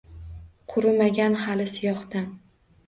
Qurimagan hali siyohdan…